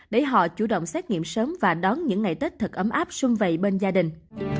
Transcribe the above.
để họ chủ động xét nghiệm sớm và đón những ngày tết thật ấm áp xuân vầy bên gia đình